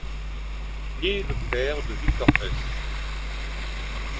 Il est le père de Viktor Huss.